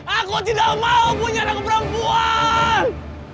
aku tidak mau punya anak perempuan